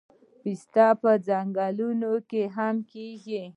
پسته په ځنګلونو کې هم کیږي